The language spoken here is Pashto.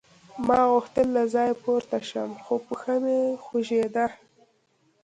ما غوښتل له ځایه پورته شم خو پښه مې خوږېده